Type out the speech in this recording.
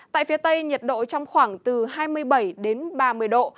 tại phía tây nhiệt độ trong khoảng từ hai mươi bảy đến ba mươi độ